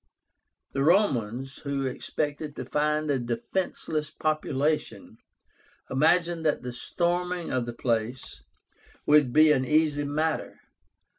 The Romans, who expected to find a defenceless population, imagined that the storming of the place would be an easy matter.